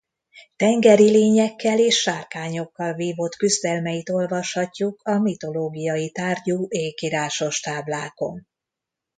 Tengeri lényekkel és sárkányokkal vívott küzdelmeit olvashatjuk a mitológiai tárgyú ékírásos táblákon.